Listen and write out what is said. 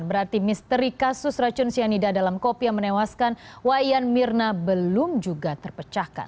berarti misteri kasus racun cyanida dalam kopi yang menewaskan wayan mirna belum juga terpecahkan